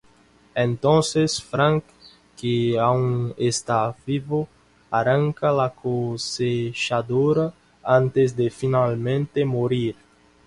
Entonces, Frank, que aún está vivo, arranca la cosechadora antes de finalmente morir.